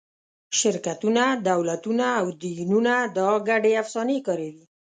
شرکتونه، دولتونه او دینونه دا ګډې افسانې کاروي.